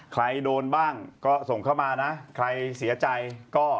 ใครโดนบ้างก็ส่งเข้ามานะใครเสียใจก็